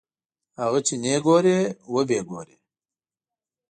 هغه چې نه یې ګورې وبه یې ګورې.